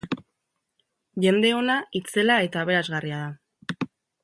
Jende ona itzela eta aberasgarria da.